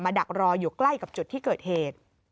ดักรออยู่ใกล้กับจุดที่เกิดเหตุ